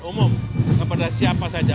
umum kepada siapa saja